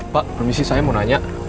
pak permisi saya mau nanya